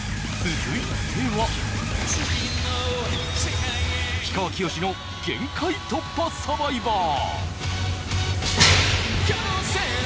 続いては氷川きよしの「限界突破×サバイバー」。